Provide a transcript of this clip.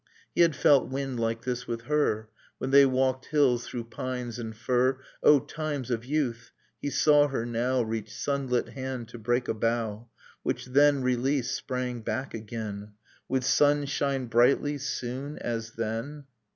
He had felt wind like this with her, When they walked hills through pines and fir O times of youth! he saw her now Reach sunlit hand to break a bough, Which then, released, sprang back again ... Would sun shine brightly, soon, as then?